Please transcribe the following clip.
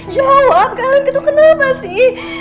jawab kan gitu kenapa sih